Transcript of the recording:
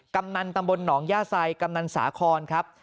กำนันตำบลหนองย่าไซกำนันสาครครับ